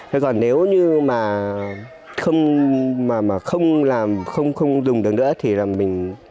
thế còn nếu như mà không làm không dùng được nữa thì là mình